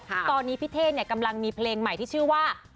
ตอนนี้พี่เท่กำลังมีเพลงใหม่ที่ชื่อว่า